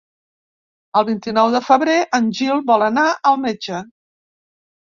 El vint-i-nou de febrer en Gil vol anar al metge.